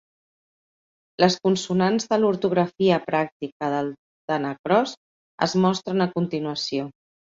Les consonants de l'ortografia pràctica del tanacross es mostren a continuació.